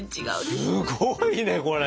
すごいねこれ。